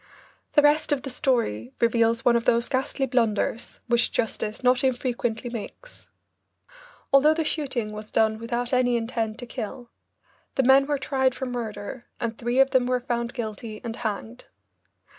The rest of the story reveals one of those ghastly blunders which justice not infrequently makes. Although the shooting was done without any intent to kill, the men were tried for murder and three of them were found guilty and hanged.